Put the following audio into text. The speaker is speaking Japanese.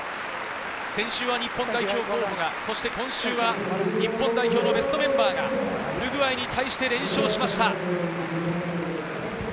専修は日本代表候補が、今週は日本代表のベストメンバーがウルグアイに対して連勝しました。